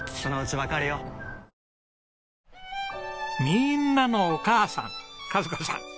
みんなのお母さん和子さん。